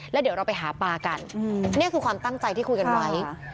แล้วเดี๋ยวเราไปหาปลากันนี่คือความตั้งใจที่คุยกันไว้